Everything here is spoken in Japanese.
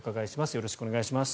よろしくお願いします。